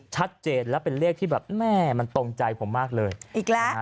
ชัดเจนและเป็นเลขที่แบบแม่มันตรงใจผมมากเลยอีกแล้ว